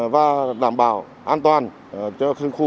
và đảm bảo an toàn cho khu vực kiểm tra dịch covid